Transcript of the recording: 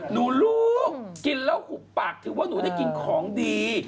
ลูกกินแล้วหุบปากถือว่าหนูได้กินของดี